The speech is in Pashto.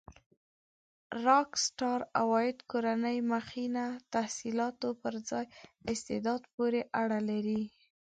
راک سټار عوایده کورنۍ مخینه تحصيلاتو پر ځای استعداد پورې اړه لري.